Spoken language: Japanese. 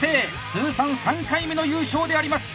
通算３回目の優勝であります。